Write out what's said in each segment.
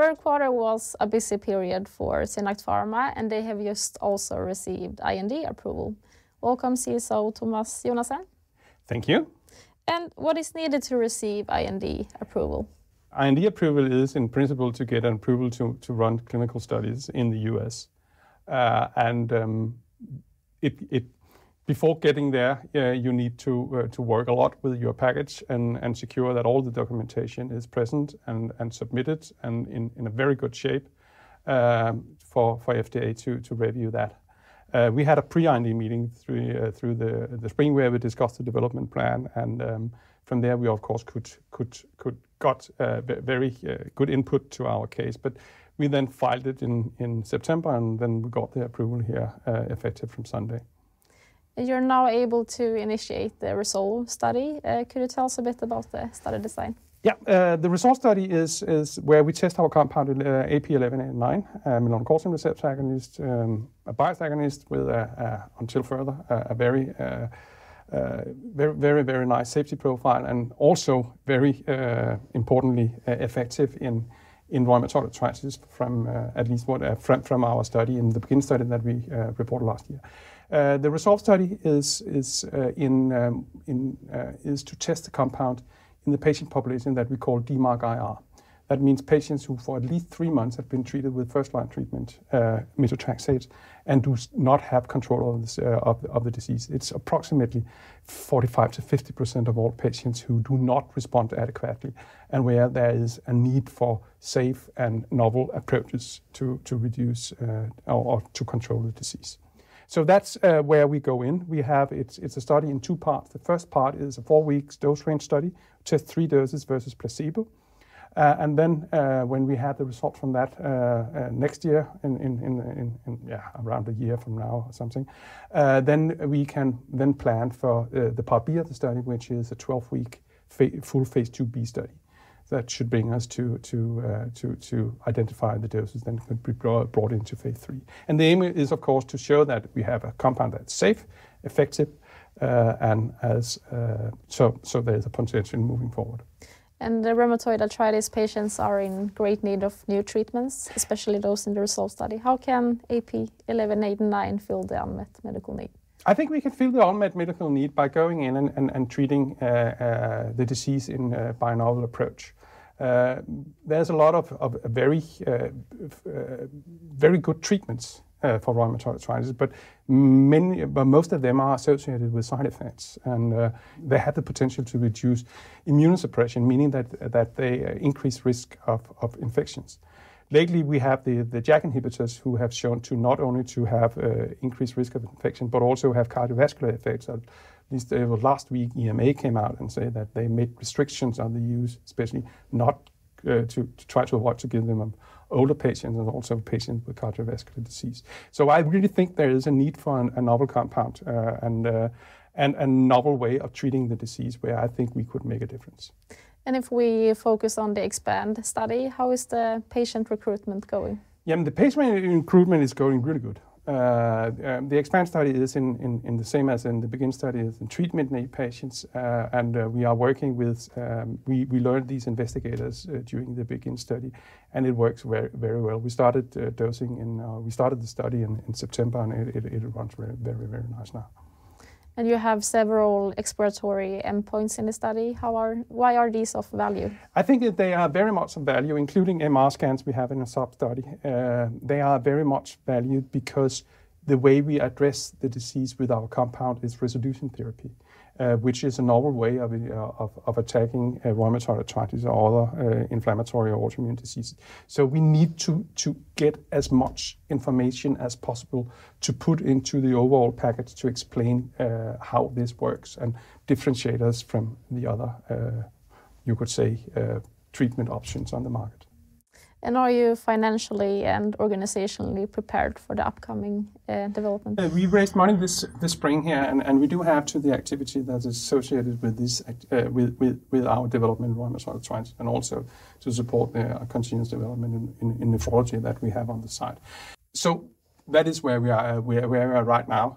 The third quarter was a busy period for SynAct Pharma, and they have just also received IND approval. Welcome, CSO, Thomas Jonassen. Thank you. What is needed to receive IND approval? IND approval is, in principle, to get an approval to run clinical studies in the U.S. Before getting there, you need to work a lot with your package and secure that all the documentation is present and submitted and in a very good shape, for FDA to review that. We had a pre-IND meeting through the spring where we discussed the development plan and from there we, of course, got a very good input to our case. We then filed it in September, and then we got the approval here, effective from Sunday. You're now able to initiate the RESOLVE study. Could you tell us a bit about the study design? The RESOLVE study is where we test our compound, AP1189, a melanocortin receptor agonist, a biased agonist with a very nice safety profile and also very importantly, effective in rheumatoid arthritis from our study in the BEGIN study that we reported last year. The RESOLVE study is to test the compound in the patient population that we call DMARD-IR. That means patients who for at least three months have been treated with first-line treatment, methotrexate, and do not have control of the disease. It's approximately 45%-50% of all patients who do not respond adequately, and where there is a need for safe and novel approaches to reduce or to control the disease. That's where we go in. It's a study in two parts. The first part is a four-week dose range study, test three doses versus placebo. When we have the result from that next year in, yeah, around a year from now or something, we can plan for the Part B of the study, which is a 12-week full Phase IIb study. That should bring us to identify the doses that could be brought into Phase III. The aim is, of course, to show that we have a compound that's safe, effective. There's a potential in moving forward. The rheumatoid arthritis patients are in great need of new treatments, especially those in the RESOLVE study. How can AP1189 fill the unmet medical need? I think we can fill the unmet medical need by going in and treating the disease by a novel approach. There's a lot of very good treatments for rheumatoid arthritis, but most of them are associated with side effects, and they have the potential to reduce immune suppression, meaning that they increase risk of infections. Lately, we have the JAK inhibitors who have shown not only to have increased risk of infection, but also have cardiovascular effects. At least last week, EMA came out and say that they made restrictions on the use, especially not to give them to older patients and also patients with cardiovascular disease. I really think there is a need for a novel compound, and a novel way of treating the disease where I think we could make a difference. If we focus on the EXPAND study, how is the patient recruitment going? Yeah. The patient recruitment is going really good. The EXPAND study is in the same as in the BEGIN study is in treatment in the patients. We learned these investigators during the BEGIN study, and it works very well. We started the study in September, and it runs very nice now. You have several exploratory endpoints in the study. Why are these of value? I think that they are very much of value, including MR scans we have in a sub-study. They are very much valued because the way we address the disease with our compound is resolution therapy, which is a novel way of attacking rheumatoid arthritis or other inflammatory or autoimmune disease. We need to get as much information as possible to put into the overall package to explain how this works and differentiate us from the other, you could say, treatment options on the market. Are you financially and organizationally prepared for the upcoming development? We raised money this spring here, and we do have the activity that is associated with our development in rheumatoid arthritis and also to support the continuous development in nephrology that we have on the side. That is where we are right now.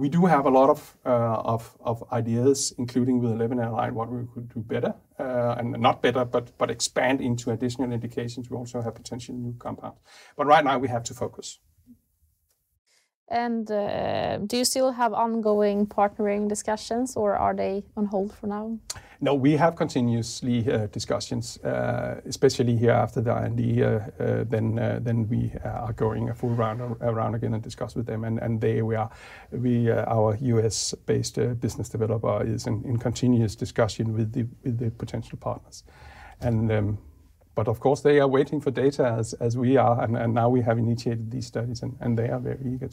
We do have a lot of ideas, including with AP1189, what we could do better and not better, but expand into additional indications. We also have potential new compounds. Right now we have to focus. Do you still have ongoing partnering discussions, or are they on hold for now? No, we have continuous discussions, especially here after the IND. We are going a full round again and discuss with them. Our U.S.-based business developer is in continuous discussion with the potential partners. Of course, they are waiting for data as we are. Now we have initiated these studies, and they are very eager,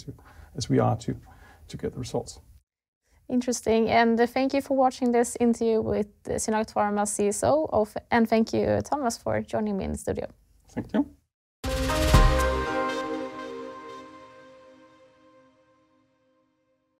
as we are, to get the results. Interesting. Thank you for watching this interview with SynAct Pharma CSO. Thank you, Thomas, for joining me in the studio. Thank you.